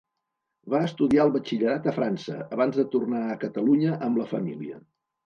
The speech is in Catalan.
Va estudiar el batxillerat a França, abans de tornar a Catalunya amb la família.